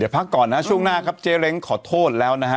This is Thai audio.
พักก่อนนะช่วงหน้าครับเจ๊เล้งขอโทษแล้วนะฮะ